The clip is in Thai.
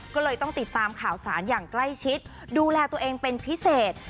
ก็เลยต้องติดตามข่าวสารอย่างใกล้ชิดดูแลตัวเองเป็นพิเศษ